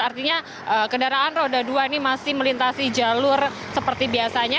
artinya kendaraan roda dua ini masih melintasi jalur seperti biasanya